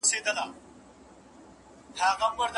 انتيک پلورونکی به ساعت خوښ کړي؟